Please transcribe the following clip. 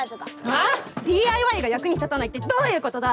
ああっ⁉ＤＩＹが役に立たないってどういうことだ！